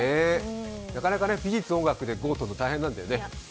なかなか美術、音楽で５をとるの大変なんでよね。